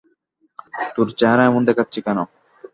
তোর চেহারা এমন দেখাচ্ছে কেন?